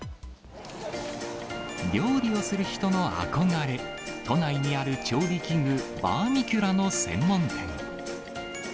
料理をする人の憧れ、都内にある調理器具、バーミキュラの専門店。